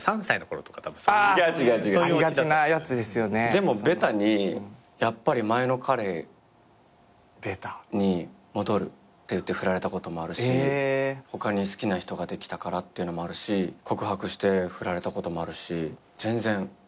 でもベタに「やっぱり前の彼に戻る」って言ってフラれたこともあるし「他に好きな人ができたから」っていうのもあるし告白してフラれたこともあるし全然ある。